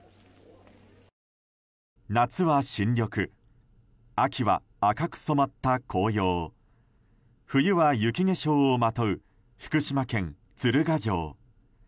夏は新緑秋は赤く染まった紅葉冬は雪化粧をまとう福島県鶴ヶ城。